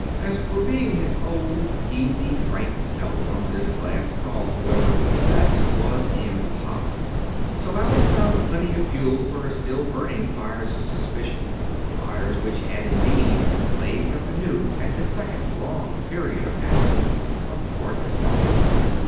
As for being his old easy, frank self on this last call, however, that was impossible; so Alice found plenty of fuel for her still burning fires of suspicion fires which had, indeed, blazed up anew at this second long period of absence on the part of Arkwright.